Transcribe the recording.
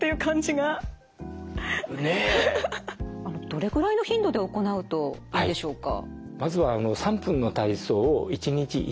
どれぐらいの頻度で行うといいでしょうか？